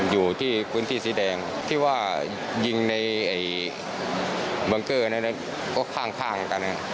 อยู่ที่พื้นที่สีแดงที่ว่ายิงในบังเกอร์ข้างกัน